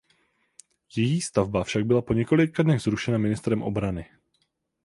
Její stavba však byla po několika dnech zrušena ministrem obrany.